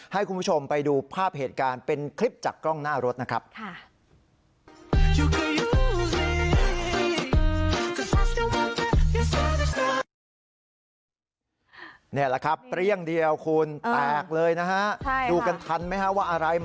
ให้คุณผู้ชมไปดูภาพเหตุการณ์เป็นคลิปจากกล้องหน้ารถนะครับ